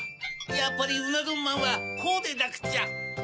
やっぱりうなどんまんはこうでなくっちゃ！